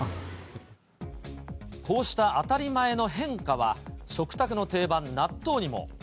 こうした当たり前の変化は、食卓の定番、納豆にも。